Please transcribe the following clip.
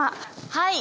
はい。